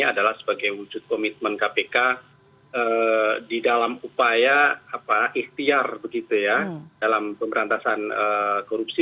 adalah sebagai wujud komitmen kpk di dalam upaya ikhtiar begitu ya dalam pemberantasan korupsi